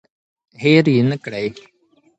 هیر یې نکړئ.